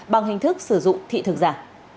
bằng hình thức sử dụng thị thực giả